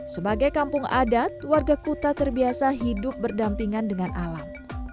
sebagai kampung adat warga kuta terbiasa hidup berdampingan dengan alam